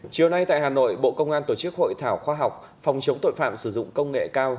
chiều nay tại hà nội bộ công an tổ chức hội thảo khoa học phòng chống tội phạm sử dụng công nghệ cao